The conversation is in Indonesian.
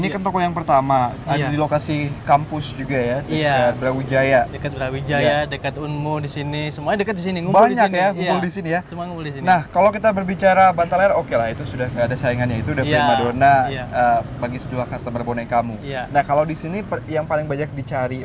ketika diluar kota kita kerjasama dengan ekspedisi